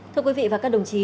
thưa quý vị và các đồng chí